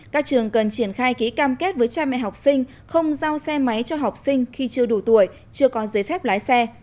các trường cần triển khai ký cam kết với cha mẹ học sinh không giao xe máy cho học sinh khi chưa đủ tuổi chưa có giấy phép lái xe